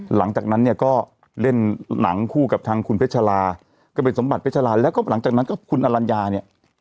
หลังจากนั้นเนี่ยก็เล่นหนังคู่กับทางคุณเพชราก็เป็นสมบัติเพชราแล้วก็หลังจากนั้นก็คุณอรัญญาเนี่ย